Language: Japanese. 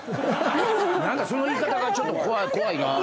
何かその言い方がちょっと怖いなぁ。